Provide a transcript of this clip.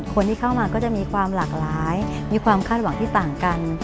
คนที่เข้ามาก็จะมีความหลากหลายมีความคาดหวังที่ต่างกัน